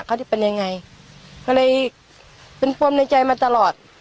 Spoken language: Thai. เขาจะเป็นยังไงก็เลยเป็นปมในใจมาตลอด